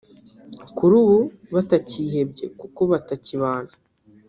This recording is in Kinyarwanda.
kuri ubu batakihebye kuko batakibana